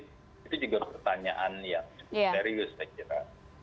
itu juga pertanyaan yang serius saya kira